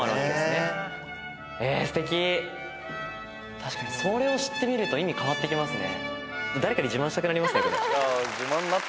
確かにそれを知って見ると意味変わってきますね。